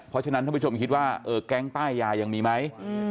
เพราะฉะนั้นท่านผู้ชมคิดว่าแก๊งป้ายยายังมีไหม